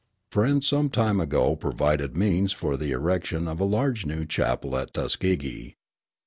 Friends some time ago provided means for the erection of a large new chapel at Tuskegee.